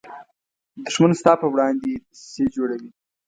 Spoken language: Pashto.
دښمن ستا پر وړاندې دسیسې جوړوي